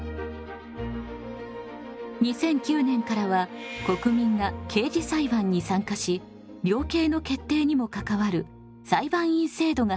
２００９年からは国民が刑事裁判に参加し量刑の決定にも関わる裁判員制度が始まりました。